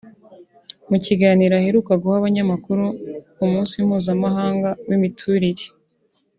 mu kiganiro aheruka guha abanyamakuru ku munsi mpuzamahanga w’imiturire